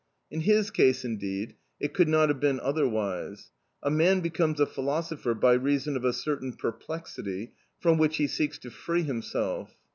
In his case, indeed, it could not have been otherwise. A man becomes a philosopher by reason of a certain perplexity, from which he seeks to free himself.